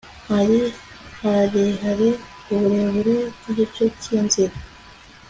ari harehare uburebure bw igice cy inzira